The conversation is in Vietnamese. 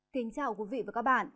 kính chào quý vị và các bạn